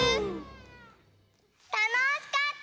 たのしかった！